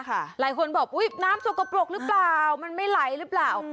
หลายคนบอกอุ๊ยน้ำสกปรกหรือเปล่ามันไม่ไหลหรือเปล่า